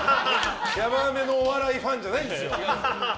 やばめのお笑いファンじゃないんですよ。